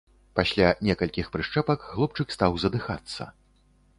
Пасля некалькіх прышчэпак хлопчык стаў задыхацца.